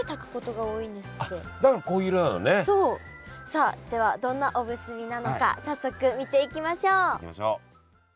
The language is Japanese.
さあではどんなおむすびなのか早速見ていきましょう。